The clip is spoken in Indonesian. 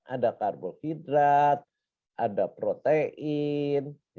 ada karbohidrat ada protein ada lemak ada makanan